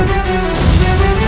aku akan mengobati